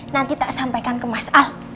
nanti tak sampaikan ke mas al